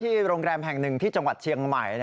โรงแรมแห่งหนึ่งที่จังหวัดเชียงใหม่